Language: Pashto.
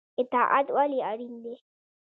اطاعت ولې اړین دی؟